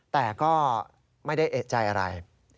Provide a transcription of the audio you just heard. แต่ก็ไม่ได้เอกใจอะไร